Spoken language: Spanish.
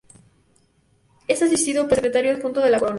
Es asistido por el Secretario Adjunto de la Corona.